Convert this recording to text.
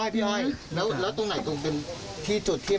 พี่ไอร์ไอ่ดย์ตรงไหนด้วย